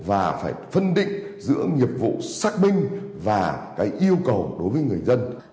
và phải phân định giữa nhiệm nhiệm nhiệm nhiệm nhiệm nhiệm nhiệm nhiệm nhiệm nhiệm nhiệm nhiệm nhiệm nhiệm nhiệm nhiệm